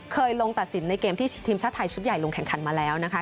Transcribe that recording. เคยลงตัดสินในเกมที่ทีมชาติไทยชุดใหญ่ลงแข่งขันมาแล้วนะคะ